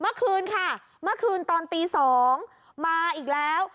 เมื่อคืนค่ะเมื่อคืนตอนตี๒มาอีกแล้ว